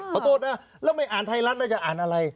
ขอโทษนะแล้วไม่อ่านไทยรัฐแล้วจะอ่านอะไร